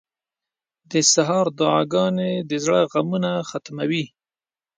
• د سهار دعاګانې د زړه غمونه ختموي.